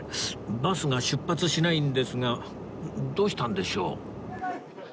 バスが出発しないんですがどうしたんでしょう？